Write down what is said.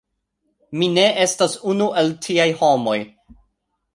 Mi ne estas unu el tiaj homoj.